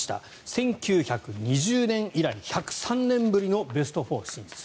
１９２０年以来１０３年ぶりのベスト４進出。